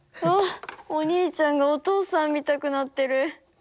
あお兄ちゃんがお父さんみたくなってる。